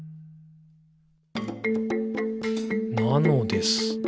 「なのです。」